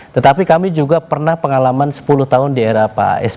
tetapi kami juga pernah pengalaman sepuluh tahun di era pak sby